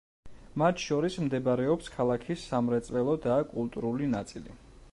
მათ შორის მდებარეობს ქალაქის სამრეწველო და კულტურული ნაწილი.